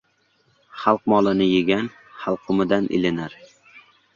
Xalq molini yegan halqumidan ilinar.